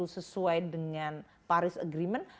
sesuai dengan paris agreement